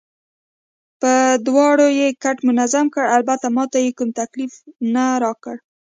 په دواړو یې کټ منظم کړ، البته ما ته یې کوم تکلیف نه راکړ.